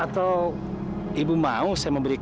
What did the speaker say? kita akan melihat